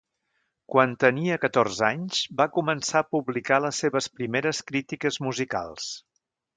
Quan tenia catorze anys va començar a publicar les seves primeres crítiques musicals.